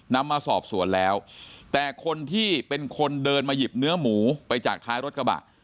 นำมาสอบสวนแล้วแต่คนที่เป็นคนเดินมาหยิบเนื้อหมูไปจากท้ายรถกระบะ